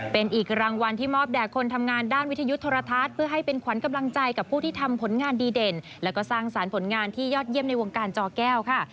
เป็นอีกรางวัลที่มอบแด่คนทำงานด้านวิทยุโทรทัศน์เพื่อให้เป็นขวัญกำลังใจกับผู้ที่ทำผลงานดีเด่นแล้วก็สร้างสารผลงานที่ยอดเยี่ยมในวงการจอแก้วค่ะ